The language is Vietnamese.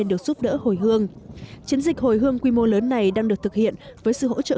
được giúp đỡ hồi hương chiến dịch hồi hương quy mô lớn này đang được thực hiện với sự hỗ trợ